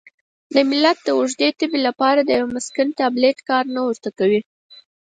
د ملت د اوږدې تبې لپاره د یوه مسکن تابلیت کار نه ورکوي.